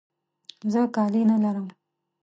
زه کالي نه لرم.